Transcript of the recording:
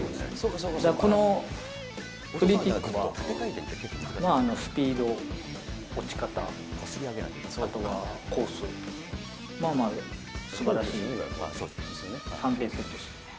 このフリーキックは、スピード、落ち方、あとはコース、まあまあすばらしい３点セットですね。